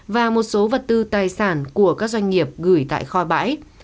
và một số vật tư tài sản của các doanh nghiệp gửi tại kho bãi